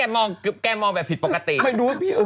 แม่แกมองแบบผิดปกติ